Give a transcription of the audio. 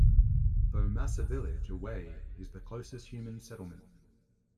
Bomassa village, away, is the closest human settlement.